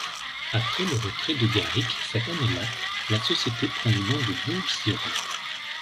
Après le retrait de Garric cette année-là, la société prend le nom de Boussiron.